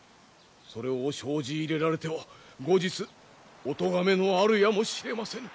それを招じ入れられては後日お咎めのあるやもしれませぬ。